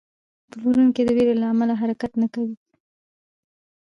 پلورونکی د ویرې له امله حرکت نه کوي.